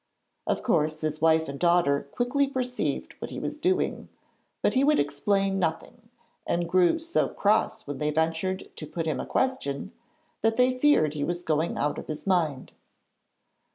Of course, his wife and daughter quickly perceived what he was doing, but he would explain nothing, and grew so cross when they ventured to put him a question that they feared he was going out of his mind.